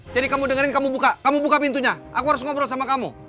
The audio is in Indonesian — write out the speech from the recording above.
jadi kamu dengerin kamu buka pintunya aku harus ngobrol sama kamu